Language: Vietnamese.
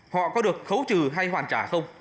họ có được khấu trừ hay hoàn trả không